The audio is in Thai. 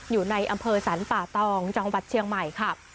อยู่ในอำเภอสรรป่าตองจังหวัดเชียงใหม่ค่ะ